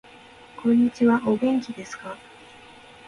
こんにちは。お元気ですか。